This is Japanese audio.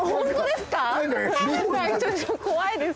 怖いです。